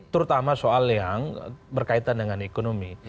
terutama soal yang berkaitan dengan ekonomi